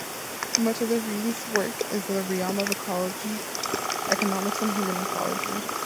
Much of Rees' work is in the realm of ecological economics and human ecology.